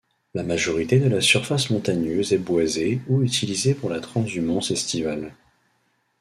La majorité de la surface montagneuse est boisée ou utilisée pour la transhumance estivale.